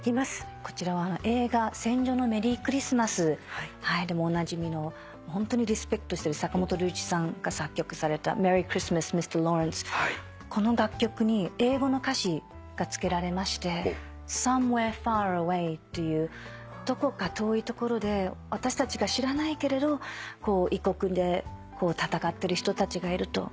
こちらは映画『戦場のメリークリスマス』でもおなじみのホントにリスペクトしてる坂本龍一さんが作曲された『ＭｅｒｒｙＣｈｒｉｓｔｍａｓＭｒ．Ｌａｗｒｅｎｃｅ』この楽曲に英語の歌詞がつけられまして「ＳｏｍｅｗｈｅｒｅＦａｒＡｗａｙ」っていうどこか遠い所で私たちが知らないけれど異国で戦ってる人たちがいると。